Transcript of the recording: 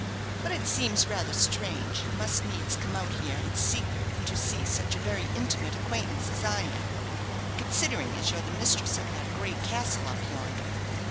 But it seems rather strange you must needs come out here in secret to see such a very intimate acquaintance as I am, considering as you're the mistress of that great castle up yonder.